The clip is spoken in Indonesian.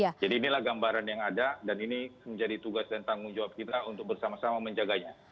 jadi inilah gambaran yang ada dan ini menjadi tugas dan tanggung jawab kita untuk bersama sama menjaganya